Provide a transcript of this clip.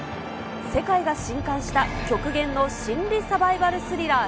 世界がしんかんした極限の心理サバイバルスリラー